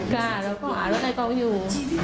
ค่ะเราก็หารถในกองอยู่